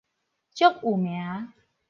足有名